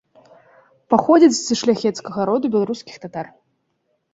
Паходзіць з шляхецкага роду беларускіх татар.